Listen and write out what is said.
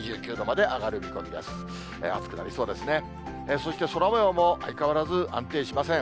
そして空もようも相変わらず安定しません。